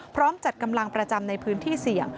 จัดกำลังประจำในพื้นที่เสี่ยง